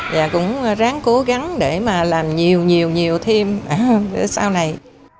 và cũng ráng cố gắng để mà làm nhiều nhiều nhiều thêm sau này